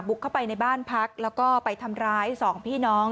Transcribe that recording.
เข้าไปในบ้านพักแล้วก็ไปทำร้ายสองพี่น้อง